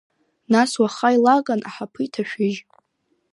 Нас уаха илаган аҳаԥы иҭашәыжь!